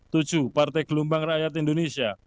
tujuh partai gelombang rakyat indonesia